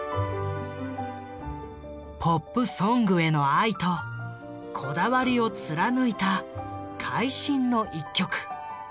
ポップソングへの愛とこだわりを貫いた会心の一曲。